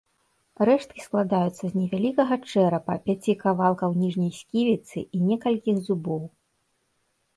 Рэшткі складаюцца з невялікага чэрапа, пяці кавалкаў ніжняй сківіцы, і некалькіх зубоў.